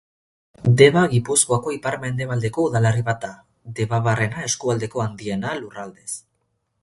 Deba Gipuzkoako ipar-mendebaldeko udalerri bat da, Debabarrena eskualdeko handiena, lurraldez.